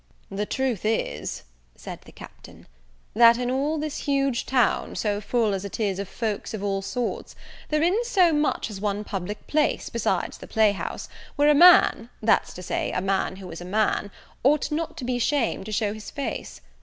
"The truth is," said the Captain, "that in all this huge town, so full as it is of folks of all sorts, there i'n't so much as one public place, besides the play house, where a man, that's to say, a man who is a man, ought not to be ashamed to shew his face.